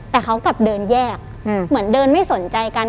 แต่เขากลับเดินแยกเหมือนเดินไม่สนใจกัน